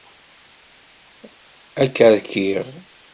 Ad k-rkiɣ!